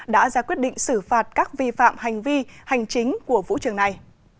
đã ra quyết định xử phạt các vi phạm hành vi hành chính của vũ trường này